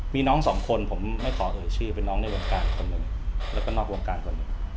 มีน้องสองคนผมไม่ขอเอ่ยชื่อเป็นน้องในวงการคนหนึ่งแล้วก็นอกวงการคนหนึ่ง